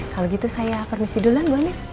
kalau gitu saya permisi duluan bu andien